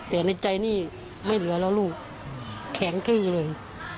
แต่ในใจนี่ไม่เหลือแล้วลูกแข็งทื้อเลย